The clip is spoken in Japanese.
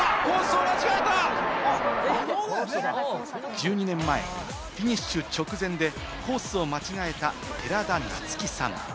１２年前、フィニッシュ直前でコースを間違えた、寺田夏生さん。